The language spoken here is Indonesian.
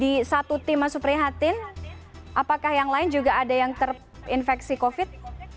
di satu tim mas suprihatin apakah yang lain juga ada yang terinfeksi covid